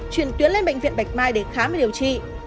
chuyển tuyến lên bệnh viện bạch mai để khám và điều trị